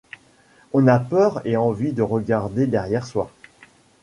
On a peur et envie de regarder derrière soi.